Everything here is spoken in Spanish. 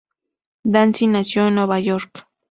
Dassin nació en Nueva York.